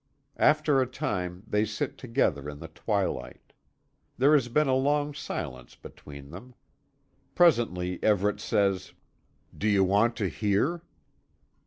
After a time they sit together in the twilight. There has been a long silence between them. Presently Everet says: "Do you want to hear?"